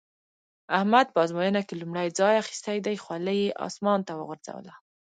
احمد په ازموينه کې لومړی ځای اخيستی دی؛ خولۍ يې اسمان ته وغورځوله.